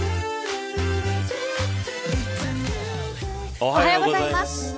おはようございます。